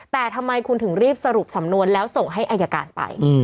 แต่ทำไมคุณถึงรีบสรุปสำนวนแล้วส่งให้อายการไป